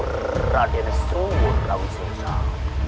kepada semua prawi sejarah